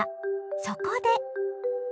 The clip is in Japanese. そこで。